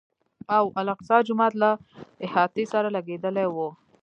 او الاقصی جومات له احاطې سره لګېدلی و.